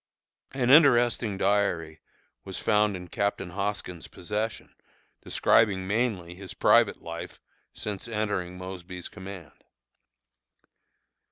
An interesting diary was found in Captain Hoskins' possession, describing mainly his private life since entering Mosby's command.